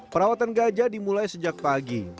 perawatan gajah dimulai sejak pagi